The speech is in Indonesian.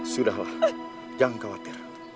sudahlah jangan khawatir